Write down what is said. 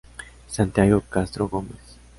Santiago Castro-Gómez.